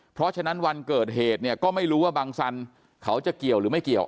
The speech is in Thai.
เพราะฉะนั้นวันเกิดเหตุเนี่ยก็ไม่รู้ว่าบังสันเขาจะเกี่ยวหรือไม่เกี่ยว